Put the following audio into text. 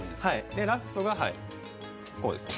でラストがこうですね。